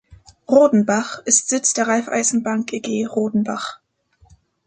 Rodenbach ist Sitz der Raiffeisenbank eG, Rodenbach.